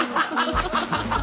ハハハハ！